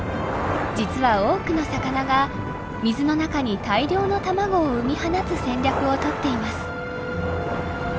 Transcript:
実は多くの魚が水の中に大量の卵を産み放つ戦略を取っています。